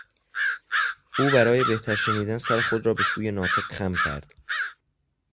او برای بهتر شنیدن سر خود را به سوی ناطق خم کرد.